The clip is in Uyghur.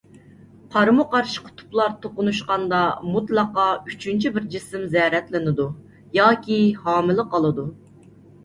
قارمۇ قارشى قۇتۇپلار توقۇنۇشقاندا مۇتلەقا ئۈچىنچى بىر جىسىم زەرەتلىنىدۇ ياكى ھامىلە قالىدۇ.